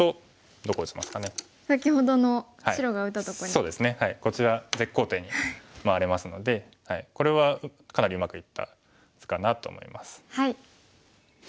そうですねこちら絶好点に回れますのでこれはかなりうまくいった図かなと思います。